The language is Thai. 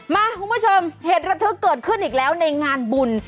คุณผู้ชมเหตุระทึกเกิดขึ้นอีกแล้วในงานบุญ